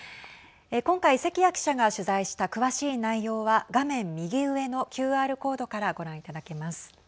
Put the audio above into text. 今回、関谷記者が取材した詳しい内容は画面右上のＱＲコードからご覧いただけます。